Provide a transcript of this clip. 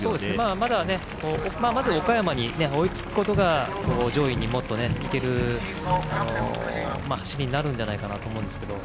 まず岡山に追いつくことが上位にもっと行ける走りになるんじゃないかなと思うんですけれども。